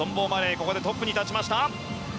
ここでトップに立ちました。